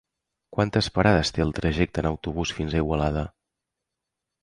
Quantes parades té el trajecte en autobús fins a Igualada?